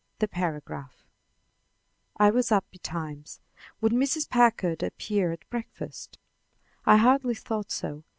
THE PARAGRAPH I was up betimes. Would Mrs. Packard appear at breakfast? I hardly thought so.